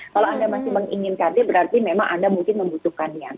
kalau anda masih menginginkannya berarti memang anda mungkin membutuhkannya